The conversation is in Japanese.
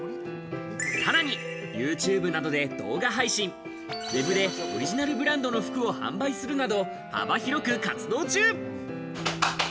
さらにユーチューブなどで動画配信、Ｗｅｂでオリジナルブランドの服を販売するなど幅広く活動中。